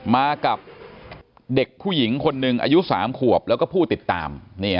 มากับเด็กผู้หญิงคนหนึ่งอายุ๓ขวบแล้วก็ผู้ติดตาม